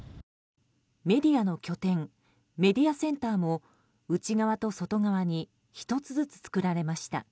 メディアの拠点メディアセンターも内側と外側に１つずつ作られました。